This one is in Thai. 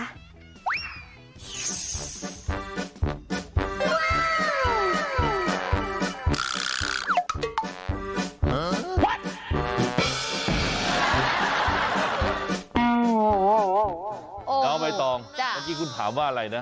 กราวไบตองสักทีคุณถามว่าอะไรนะ